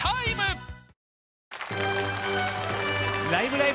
「ライブ！